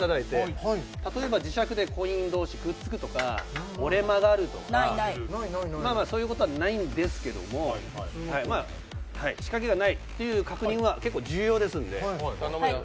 例えば磁石でコイン同士くっつくとか折れ曲がるとかそういうことはないんですけども仕掛けがないという確認は結構重要ですので。